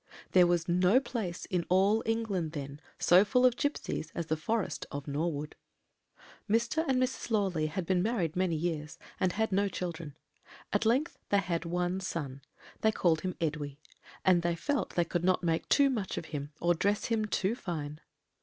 "There was no place in all England then so full of gipsies as the forest of Norwood. "Mr. and Mrs. Lawley had been married many years, and had no children; at length they had one son they called him Edwy, and they felt they could not make too much of him, or dress him too fine.